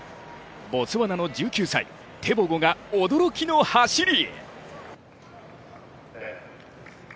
ボツワナの１９歳テボゴが驚きの走り。